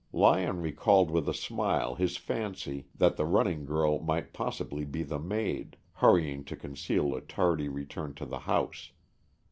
Lyon recalled with a smile his fancy that the running girl might possibly be the maid, hurrying to conceal a tardy return to the house.